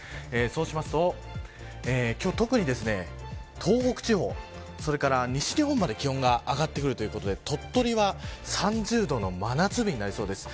今日は特に東北地方西日本まで気温が上がってくるということで鳥取は３０度の真夏日になりそうです。